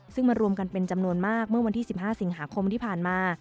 ซึ่งมารวมกันเป็นจำนวนมากเมื่อวันที่๑๕สิงหาคมที่ผ่านมา